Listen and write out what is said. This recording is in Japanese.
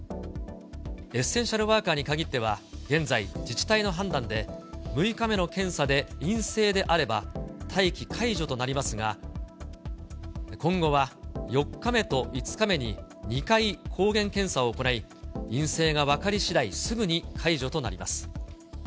エッセンシャルワーカーに限っては現在、自治体の判断で６日目の検査で陰性であれば、待機解除となりますが、今後は４日目と５日目に２回、抗原検査を行い、陰性が分かりしだい、すぐに解除となります。